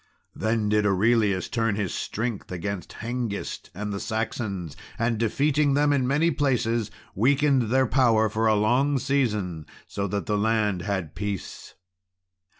Then did Aurelius turn his strength against Hengist and the Saxons, and, defeating them in many places, weakened their power for a long season, so that the land had peace.